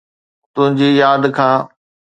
تنهنجي ياد کان